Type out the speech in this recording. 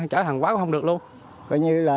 chở hàng quá cũng không được luôn